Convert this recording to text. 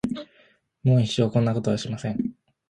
もう一生こんなことはしません。